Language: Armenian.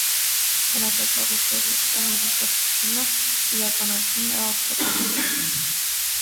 Մնացած հաղորդակցությունը իրականացվում է ավտոբուսներով։